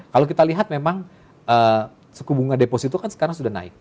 kalau kita lihat memang suku bunga deposito kan sekarang sudah naik